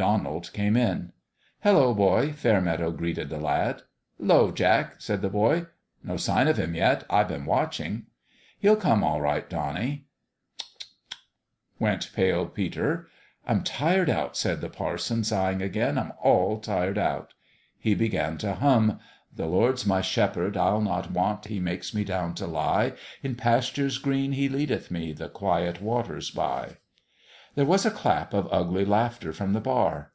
Donald came in. " Hello, boy !" Fairmeadow greeted the lad. "'Lo, Jack," said the boy. "No sign of him yet. I've been watching." " He'll come, all right, Donnie." " Tsch, tsch, tsch !" went Pale Peter. "I'm tired out," said the parson, sighing again. " I'm all tired out." He began to hum :" The Lord's my Shepherd, I'll not want. He makes me down to lie In pastures green. He leadeth me The quiet waters by." 300 A MIRACLE at PALE PETER'S There was a clap of ugly laughter from the bar.